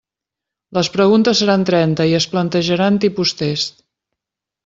Les preguntes seran trenta i es plantejaran tipus test.